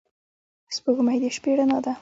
سپوږمۍ د شپې رڼا ده